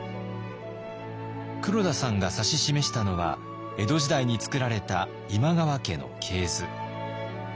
黒田さんが指し示したのは江戸時代に作られた今川家の系図。